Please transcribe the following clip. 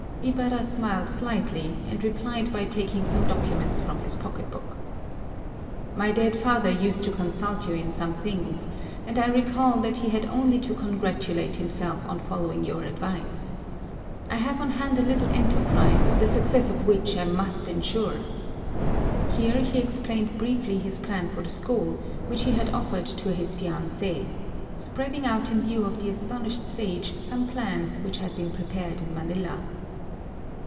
Ibarra smiled slightly and replied by taking some documents from his pocketbook. "My dead father used to consult you in some things and I recall that he had only to congratulate himself on following your advice. I have on hand a little enterprise, the success of which I must assure." Here he explained briefly his plan for the school, which he had offered to his fiancée, spreading out in view of the astonished Sage some plans which had been prepared in Manila.